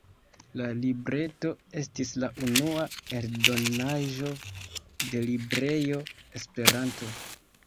La libreto estis la unua eldonaĵo de librejo “Esperanto”.